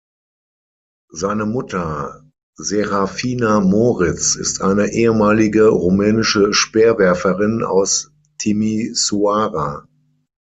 Seine Mutter, Serafina Moritz, ist eine ehemalige rumänische Speerwerferin aus Timișoara.